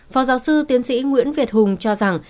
phó giáo sư tiến sĩ nguyễn việt hùng cho rằng